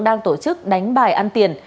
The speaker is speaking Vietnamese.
đang tổ chức đánh bài ăn tiền